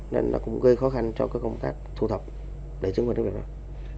nên nó cũng gây khó khăn cho các công tác thu thập để chứng minh đối tượng